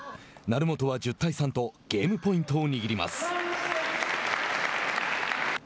成本は１０対３とゲームポイントを握ります。